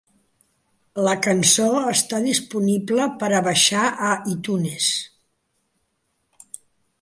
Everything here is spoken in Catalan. La cançó està disponible per a baixar a iTunes.